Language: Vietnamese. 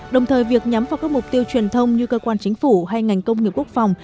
đồng thời việc nhắm vào các mục tiêu truyền thông như cơ quan chính phủ hay ngành công nghiệp quốc phòng